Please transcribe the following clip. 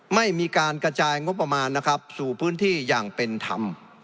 ไม่มีการกระจายงบประมาณนะครับสู่พื้นที่อย่างเป็นธรรม